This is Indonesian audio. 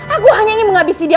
aku hanya ingin menghabisi dia